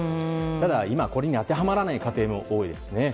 ただ、今これに当てはまらない家庭も多いですね。